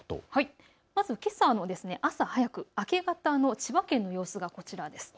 けさの朝早く、明け方の千葉県の様子がこちらです。